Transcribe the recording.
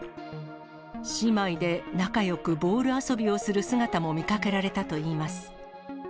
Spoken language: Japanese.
姉妹で仲よくボール遊びをする姿も見かけられたといいます。